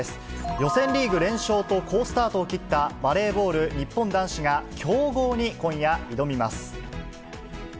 予選リーグ連勝と好スタートを切った、バレーボール日本男子が強豪に今夜、挑みます。